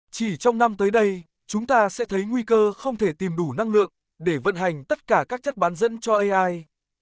chỉ trong năm tới đây chúng ta sẽ thấy nguy cơ không thể tìm đủ năng lượng để vận hành tất cả các chất bán dẫn cho ai